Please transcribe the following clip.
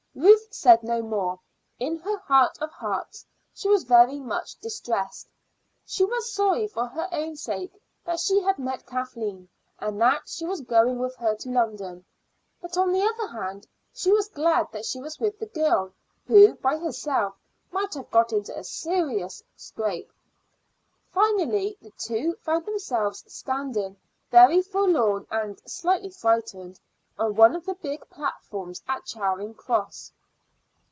Ruth said no more. In her heart of hearts she was very much distressed. She was sorry for her own sake that she had met Kathleen, and that she was going with her to London; but on the other hand she was glad that she was with the girl, who by herself might have got into a serious scrape. Finally the two found themselves standing, very forlorn and slightly frightened, on one of the big platforms at Charing Cross.